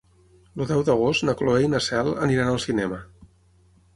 El deu d'agost na Cloè i na Cel aniran al cinema.